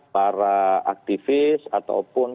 para aktivis atau pun